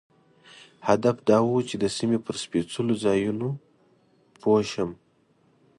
هدف دا و چې د سیمې پر سپېڅلو ځایونو پوه شم.